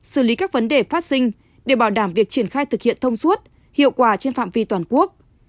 xử lý các vấn đề phát sinh để bảo đảm việc triển khai thực hiện thông suốt hiệu quả trên phạm vi toàn quốc